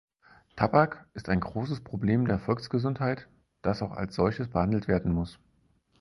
Tabak ist ein großes Problem der Volksgesundheit, das auch als solches behandelt werden muss.